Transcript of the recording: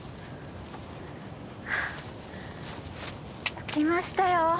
着きましたよ。